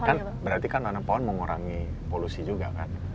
kan berarti kan nanam pohon mengurangi polusi juga kan